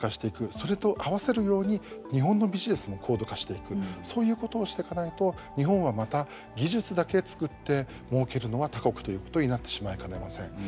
それと合わせるように日本のビジネスも高度化していくそういうことをしていかないと日本はまた技術だけ作ってもうけるのは他国ということになってしまいかねません。